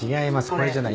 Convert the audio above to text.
これじゃない。